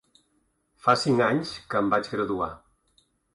Fa cinc anys que em vaig graduar.